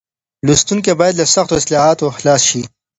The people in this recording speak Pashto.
لوستونکي بايد له سختو اصطلاحاتو خلاص شي.